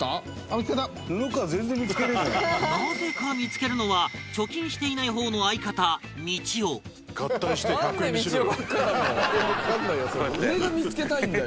なぜか見付けるのは貯金していない方の相方みちお布川：見付けたよ。